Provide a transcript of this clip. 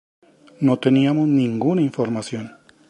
No teníamos ninguna información.